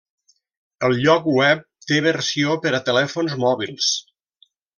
El lloc web té versió per a telèfons mòbils.